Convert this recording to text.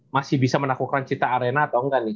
masih bisa menaklukkan cita arena atau enggak nih